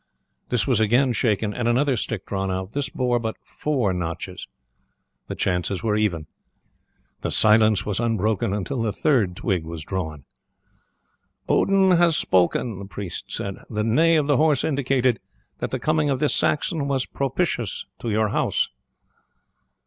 This was again shaken and another stick drawn out; this bore but four notches; the chances were even. The silence was unbroken until the third twig was drawn. "Odin has spoken," the priest said. "The neigh of the horse indicated that the coming of this Saxon was propitious to your house."